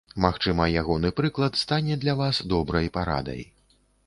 Магчыма, ягоны прыклад стане для вас добрай парадай.